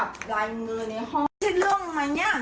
ทีทีทีวีแบบนั่งห้องคนที่จับรายเงินในห้อง